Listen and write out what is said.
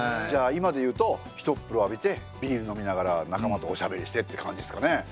じゃあ今で言うとひとっ風呂浴びてビール飲みながら仲間とおしゃべりしてって感じですかね。